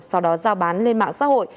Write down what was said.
sau đó giao bán lên mạng xã hội